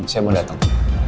saya mau datang